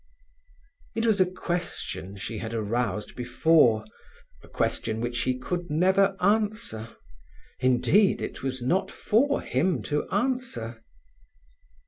It was a question she had aroused before, a question which he could never answer; indeed, it was not for him to answer.